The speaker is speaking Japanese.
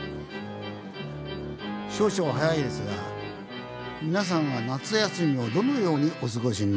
少々早いですが皆さんは夏休みをどのようにお過ごしになりますか？